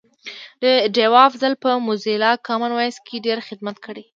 ډیوه افضل په موزیلا کامن وایس کی ډېر خدمت کړی دی